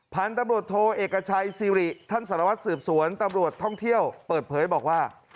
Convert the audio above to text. พันธุ์ตำรวจโทเอกชัยซิริท่านสารวัตรสืบสวนตำรวจท่องเที่ยวเปิดเผยบอกว่า